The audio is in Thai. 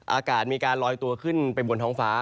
อากาศมีการลอยตัวขึ้นไปบนท้องฟ้า